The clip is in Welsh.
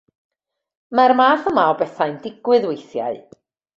Mae'r math yma o bethau'n digwydd weithiau.